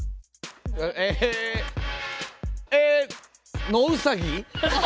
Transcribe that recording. ええノウサギ？